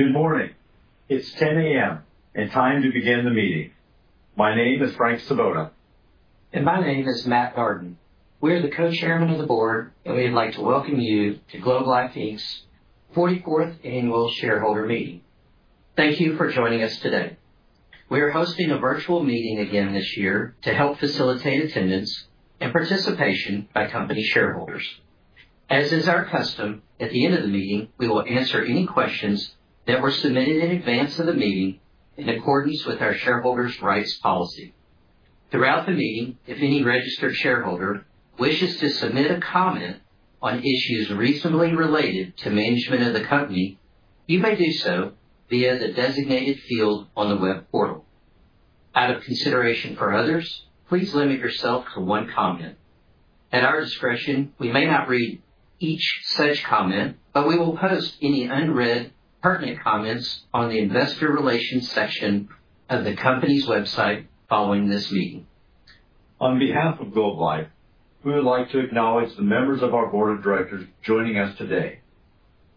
Good morning. It's 10:00 A.M. and time to begin the meeting. My name is Frank Svoboda. My name is Matt Darden. We are the Co-Chairmen of the board, and we'd like to welcome you to Globe Life Inc.'s 44th Annual Shareholder Meeting. Thank you for joining us today. We are hosting a virtual meeting again this year to help facilitate attendance and participation by company shareholders. As is our custom, at the end of the meeting, we will answer any questions that were submitted in advance of the meeting in accordance with our Shareholders' Rights Policy. Throughout the meeting, if any registered shareholder wishes to submit a comment on issues reasonably related to management of the company, you may do so via the designated field on the web portal. Out of consideration for others, please limit yourself to one comment. At our discretion, we may not read each such comment, we will post any unread pertinent comments on the investor relations section of the company's website following this meeting. On behalf of Globe Life, we would like to acknowledge the members of our board of directors joining us today.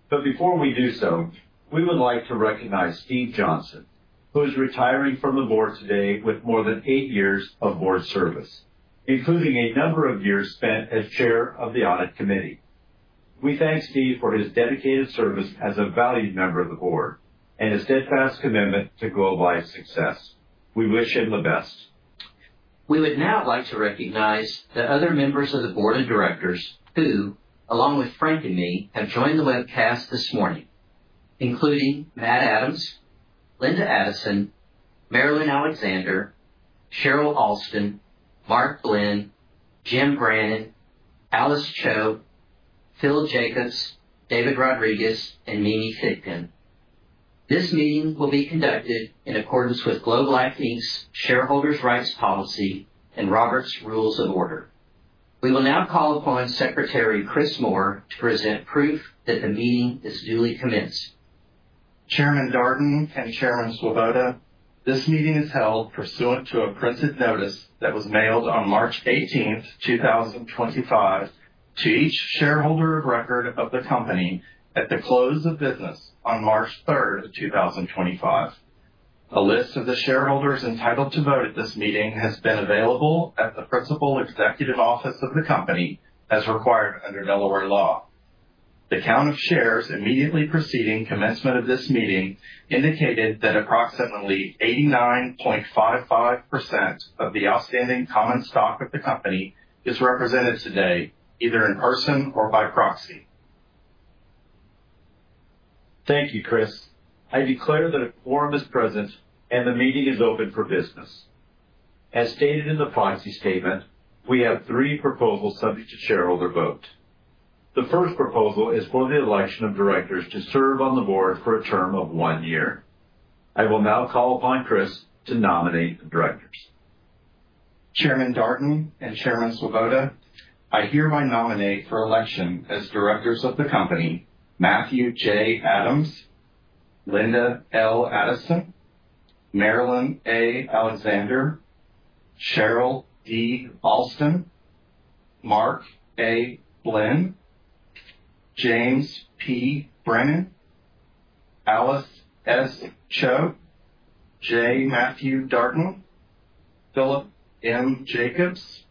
Before we do so, we would like to recognize Steve Johnson, who is retiring from the board today with more than eight years of board service, including a number of years spent as chair of the audit committee. We thank Steve for his dedicated service as a valued member of the board and his steadfast commitment to Globe Life's success. We wish him the best. We would now like to recognize the other members of the board of directors who, along with Frank and me, have joined the webcast this morning, including Matt Adams, Linda Addison, Marilyn Alexander, Cheryl Alston, Mark A. Blinn, Jim Brannen, Alice Cho, Phil Jacobs, David Rodriguez, and Mimi Thigpen. This meeting will be conducted in accordance with Globe Life Inc.'s Shareholders' Rights Policy and Robert's Rules of Order. We will now call upon Secretary Chris Moore to present proof that the meeting is duly commenced. Chairman Darden and Chairman Svoboda, this meeting is held pursuant to a printed notice that was mailed on March 18th, 2025, to each shareholder of record of the company at the close of business on March 3rd, 2025. A list of the shareholders entitled to vote at this meeting has been available at the principal executive office of the company as required under Delaware law. The count of shares immediately preceding commencement of this meeting indicated that approximately 89.55% of the outstanding common stock of the company is represented today, either in person or by proxy. Thank you, Chris. I declare that a quorum is present and the meeting is open for business. As stated in the proxy statement, we have three proposals subject to shareholder vote. The first proposal is for the election of directors to serve on the board for a term of one year. I will now call upon Chris to nominate the directors. Chairman Darden and Chairman Svoboda, I hereby nominate for election as directors of the company, Matthew J. Adams, Linda L. Addison, Marilyn A. Alexander, Cheryl D. Alston, Mark A. Blinn, James P. Brannen, Alice S. Cho, J. Matthew Darden, Philip M. Jacobs,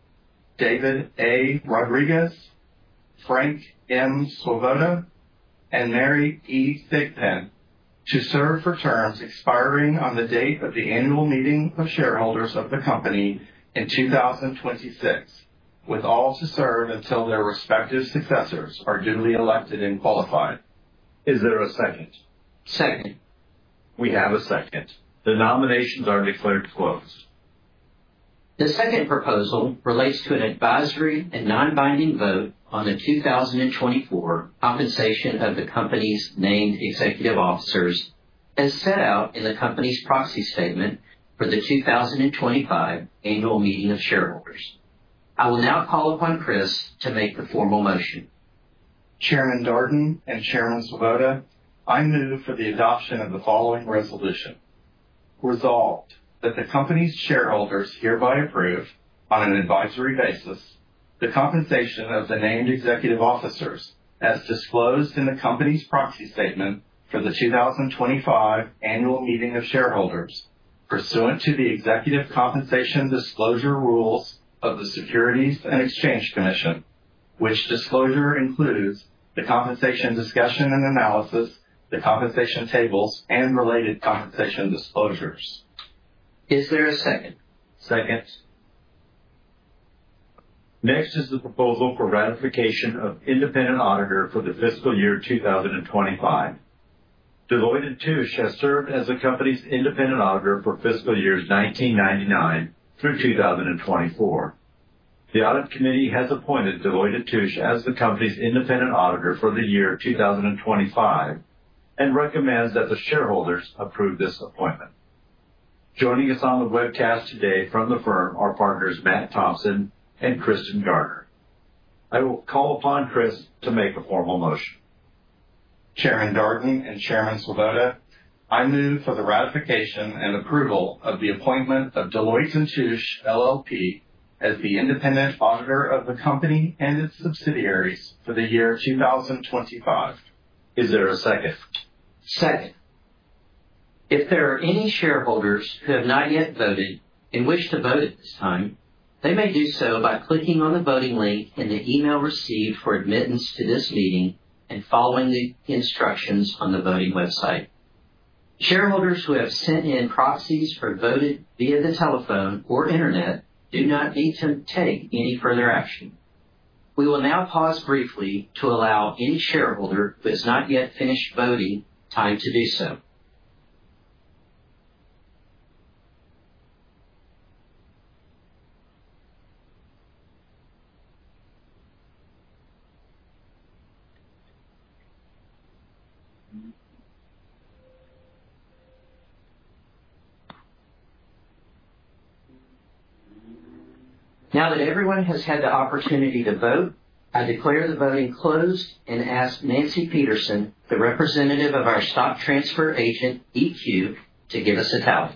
David A. Rodriguez, Frank M. Svoboda, and Mary E. Thigpen to serve for terms expiring on the date of the annual meeting of shareholders of the company in 2026. With all to serve until their respective successors are duly elected and qualified. Is there a second? Second. We have a second. The nominations are declared closed. The second proposal relates to an advisory and non-binding vote on the 2024 compensation of the company's named executive officers as set out in the company's proxy statement for the 2025 annual meeting of shareholders. I will now call upon Chris to make the formal motion. Chairman Darden and Chairman Svoboda, I move for the adoption of the following resolution. Resolved that the company's shareholders hereby approve, on an advisory basis, the compensation of the named executive officers as disclosed in the company's proxy statement for the 2025 annual meeting of shareholders pursuant to the Executive Compensation Disclosure Rules of the Securities and Exchange Commission, which disclosure includes the compensation discussion and analysis, the compensation tables, and related compensation disclosures. Is there a second? Second. Next is the proposal for ratification of independent auditor for the fiscal year 2025. Deloitte & Touche has served as the company's independent auditor for fiscal years 1999 through 2024. The audit committee has appointed Deloitte & Touche as the company's independent auditor for the year 2025 and recommends that the shareholders approve this appointment. Joining us on the webcast today from the firm are partners Matt Thompson and Kristin Gardner. I will call upon Chris to make a formal motion. Chairman Darden and Chairman Svoboda I move for the ratification and approval of the appointment of Deloitte & Touche LLP as the independent auditor of the company and its subsidiaries for the year 2025. Is there a second? Second. If there are any shareholders who have not yet voted and wish to vote at this time, they may do so by clicking on the voting link in the email received for admittance to this meeting and following the instructions on the voting website. Shareholders who have sent in proxies or voted via the telephone or internet do not need to take any further action. We will now pause briefly to allow any shareholder who has not yet finished voting time to do so. Now that everyone has had the opportunity to vote, I declare the voting closed and ask Nancy Peterson, the representative of our stock transfer agent, EQ, to give us a tally.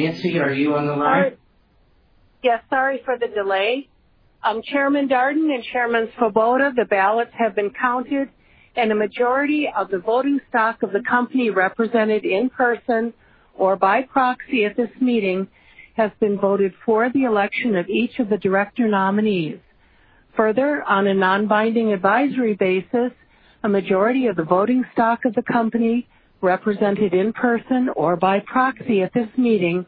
Nancy, are you on the line? Yes, sorry for the delay. Chairman Darden and Chairman Svoboda, the ballots have been counted, and a majority of the voting stock of the company represented in person or by proxy at this meeting has been voted for the election of each of the director nominees. Further, on a non-binding advisory basis, a majority of the voting stock of the company represented in person or by proxy at this meeting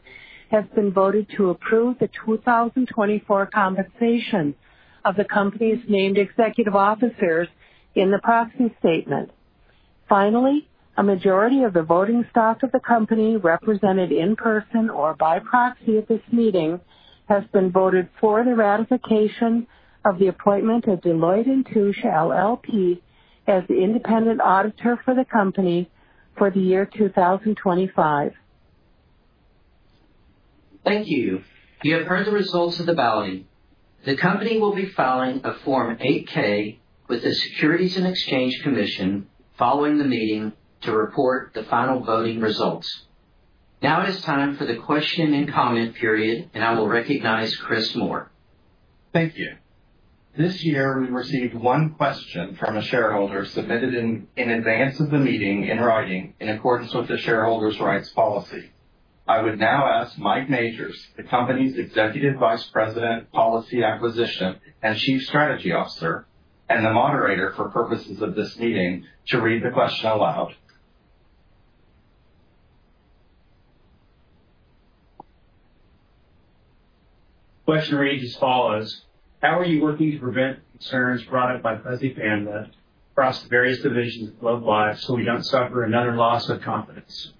has been voted to approve the 2024 compensation of the company's named executive officers in the proxy statement. Finally, a majority of the voting stock of the company represented in person or by proxy at this meeting has been voted for the ratification of the appointment of Deloitte & Touche LLP as the independent auditor for the company for the year 2025. Thank you. You have heard the results of the ballot. The company will be filing a Form 8-K with the Securities and Exchange Commission following the meeting to report the final voting results. Now it is time for the question and comment period. I will recognize Chris Moore. Thank you. This year, we received one question from a shareholder submitted in advance of the meeting in writing in accordance with the Shareholders' Rights Policy. I would now ask Mike Magers, the company's Executive Vice President Policy Acquisition and Chief Strategy Officer, and the moderator for purposes of this meeting, to read the question aloud. The question reads as follows: How are you working to prevent concerns brought up by Fuzzy Panda across the various divisions of Globe Life so we don't suffer another loss of confidence?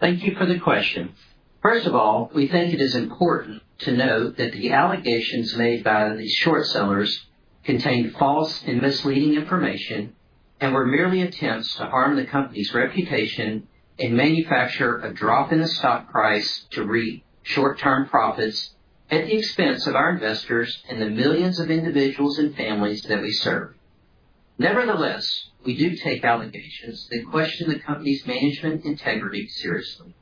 Thank you for the question. First of all, we think it is important to note that the allegations made by these short sellers contained false and misleading information and were merely attempts to harm the company's reputation and manufacture a drop in the stock price to reap short-term profits at the expense of our investors and the millions of individuals and families that we serve. Nevertheless, we do take allegations that question the company's management integrity seriously.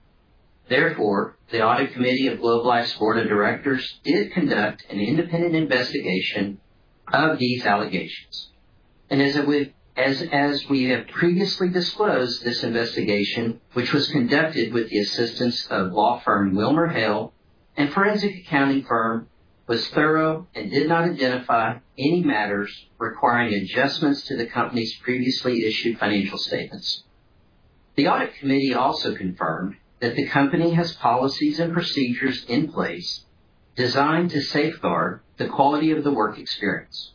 Therefore, the audit committee of Globe Life's board of directors did conduct an independent investigation of these allegations. As we have previously disclosed, this investigation, which was conducted with the assistance of law firm WilmerHale and forensic accounting firm, was thorough and did not identify any matters requiring adjustments to the company's previously issued financial statements. The audit committee also confirmed that the company has policies and procedures in place designed to safeguard the quality of the work experience.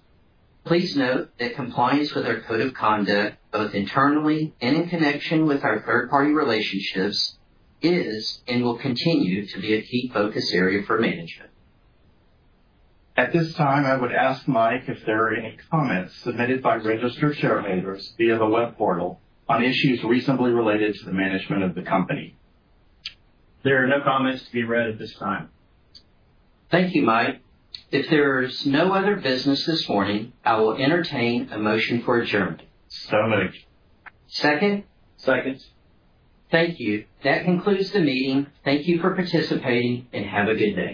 Please note that compliance with our code of conduct, both internally and in connection with our third-party relationships, is and will continue to be a key focus area for management. At this time, I would ask Mike if there are any comments submitted by registered shareholders via the web portal on issues recently related to the management of the company. There are no comments to be read at this time. Thank you, Mike. If there's no other business this morning, I will entertain a motion for adjournment. moved. Second? Second. Thank you. That concludes the meeting. Thank you for participating and have a good day.